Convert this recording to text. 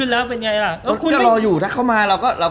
เลยถึงตอนปิดคอดซีตอาลดแล้ว